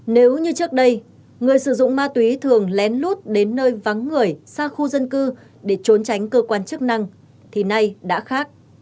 nếu như trước đây người sử dụng ma túy thường lén lút đến nơi vắng người xa khu dân cư để trốn tránh cơ quan chức năng thì nay đã khác